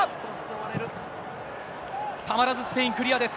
たまらずスペインクリアです。